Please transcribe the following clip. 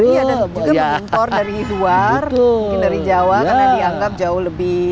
dan juga mengimpor dari luar dari jawa karena dianggap jauh lebih